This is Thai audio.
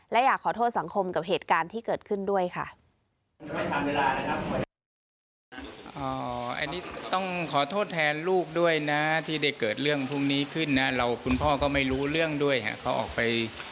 และอยากขอโทษสังคมกับเหตุการณ์ที่เกิดขึ้นด้วยค่ะ